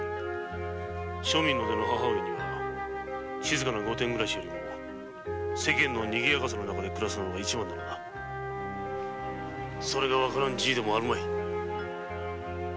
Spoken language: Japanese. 庶民の出の母上には静かな御殿暮らしよりも世間のにぎやかさの中で暮らすのが一番なのだ分かってるだろう。